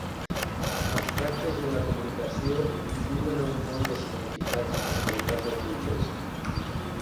Abstractes en la comunicació, viuen a un món de significats i possibilitats ocultes.